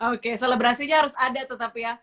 oke selebrasinya harus ada tetap ya